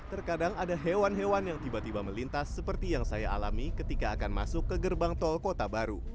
terkadang ada hewan hewan yang tiba tiba melintas seperti yang saya alami ketika akan masuk ke gerbang tol kota baru